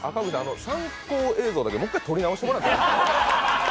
参考映像だけ、もう１回撮り直してもらっていいですか？